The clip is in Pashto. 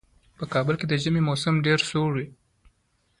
په کابل کې د ژمي موسم ډېر سوړ وي.